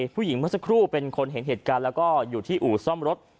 เมื่อสักครู่เป็นคนเห็นเหตุการณ์แล้วก็อยู่ที่อู่ซ่อมรถ